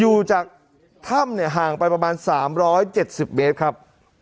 อยู่จากถ้ำเนี่ยห่างไปประมาณสามร้อยเจ็ดสิบเมตรครับ